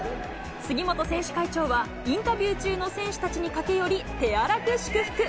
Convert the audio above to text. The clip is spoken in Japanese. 杉本選手会長は、インタビュー中の選手たちに駆け寄り、手荒く祝福。